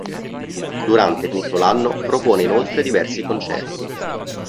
Durante tutto l'anno propone inoltre diversi concerti.